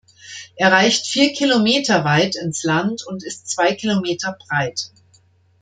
Er reicht vier Kilometer weit ins Land und ist zwei Kilometer breit.